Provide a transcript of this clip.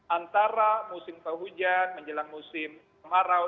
antara musim penghujan menjelang musim kemarau